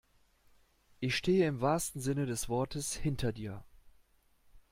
Ich stehe im wahrsten Sinne des Wortes hinter dir.